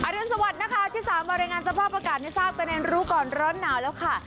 รุนสวัสดิ์นะคะที่สามมารายงานสภาพอากาศให้ทราบกันในรู้ก่อนร้อนหนาวแล้วค่ะ